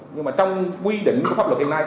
nhưng mà trong quy định của pháp luật hiện nay